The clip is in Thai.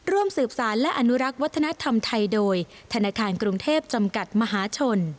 ร่วมสืบสารและอนุรักษ์วัฒนธรรมไทยโดยธนาคารกรุงเทพจำกัดมหาชน